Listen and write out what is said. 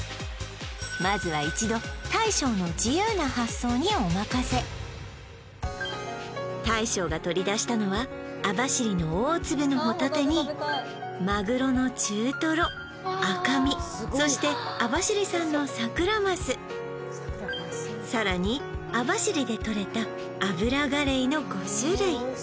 まずは一度大将の自由な発想にお任せ大将が取り出したのは網走の大粒のホタテにマグロの中トロ赤身そして網走産のサクラマスさらに網走でとれたアブラガレイの５種類